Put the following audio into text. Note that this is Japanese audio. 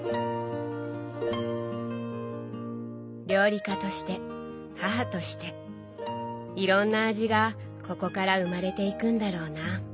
料理家として母としていろんな味がここから生まれていくんだろうな。